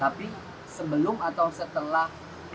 tapi sebelum atau setelah